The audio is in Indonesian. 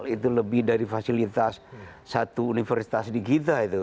itu lebih dari fasilitas satu universitas di kita itu